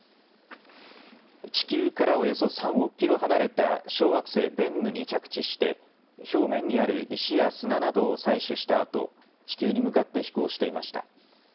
地球からおよそ３億キロ離れた小惑星ベンヌに着地して、表面にある石や砂などを採取したあと、地球に向かって飛行していました。